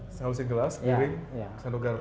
setengah lusin gelas piring seluruh garuk